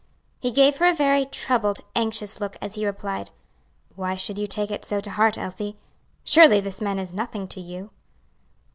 He gave her a very troubled, anxious look, as he replied, "Why should you take it so to heart, Elsie? Surely this man is nothing to you."